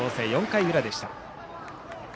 ４回裏でした。